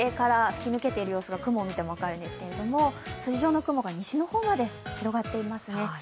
風が北西から吹き抜けてる様子が雲を見ても分かるんですけれども、筋状の雲が西の方まで広がっていますね。